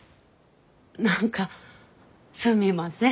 何かすみません。